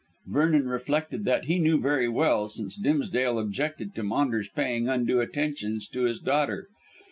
Vernon reflected that he knew very well, since Dimsdale objected to Maunders paying undue attentions to his daughter.